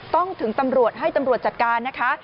ต้องถึงตำรวจให้ตำรวจจัดการนะคะ